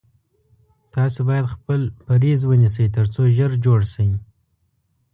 تاسو باید خپل پریز ونیسی تر څو ژر جوړ شی